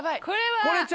これ。